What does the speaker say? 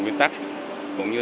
nguyên tắc cũng như